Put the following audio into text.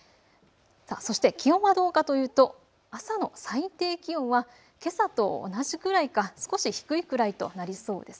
そして気温はどうかというと、朝の最低気温はけさと同じくらいか少し低いくらいとなりそうです。